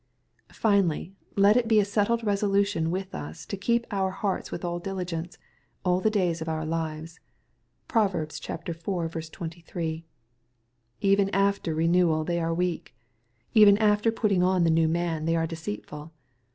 Finally, let it be a settled resolution with us to " keep our hearts with all diligence,'* aU the days of our lives. (Prov. iv. 23.) Even after renewal they «fcre weak. Even after putting on the new man they are deceitful.